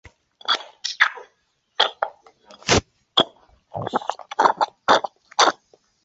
经商容易度指数是世界银行建立的评价经济政策的一项指标。